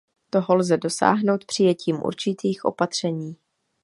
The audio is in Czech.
Toho lze dosáhnout přijetím určitých opatření.